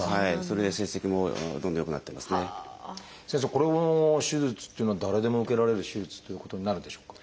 この手術っていうのは誰でも受けられる手術っていうことになるんでしょうか？